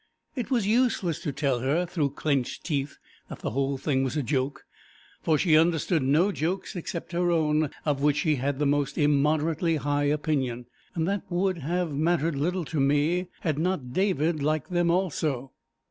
It was useless to tell her, through clenched teeth, that the whole thing was a joke, for she understood no jokes except her own, of which she had the most immoderately high opinion, and that would have mattered little to me had not David liked them also.